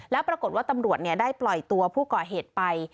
แล้วปรากฏว่าตำรวจได้ปล่อยตัวผู้ก่อเหตุไป